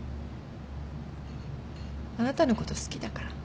あなたのこと好きだから。